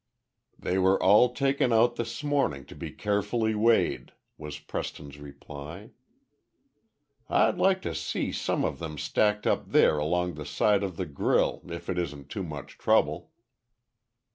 "They were all taken out this morning, to be carefully weighed," was Preston's reply. "I'd like to see some of them stacked up there along the side of the grille, if it isn't too much trouble."